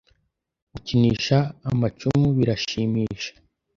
gukinisha amacumu birashimisha